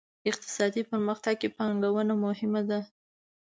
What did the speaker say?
اقتصادي پرمختګ کې پانګونه مهمه ده.